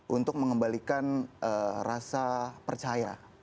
untuk mengembalikan rasa percaya